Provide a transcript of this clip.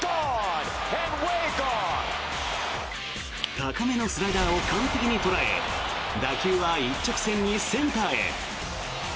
高めのスライダーを完璧に捉え打球は一直線にセンターへ。